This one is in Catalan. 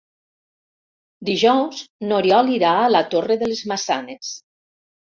Dijous n'Oriol irà a la Torre de les Maçanes.